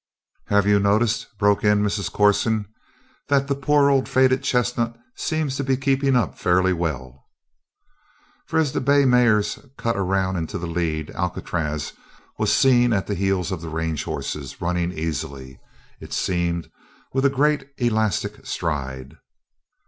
"Have you noticed," broke in Mrs. Corson, "that the poor old faded chestnut seems to be keeping up fairly well?" For as the bay mares cut around into the lead, Alcatraz was seen at the heels of the range horses, running easily. It seemed, with a great elastic stride.